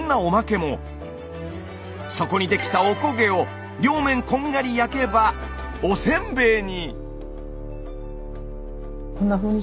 底にできたおこげを両面こんがり焼けばおせんべいに！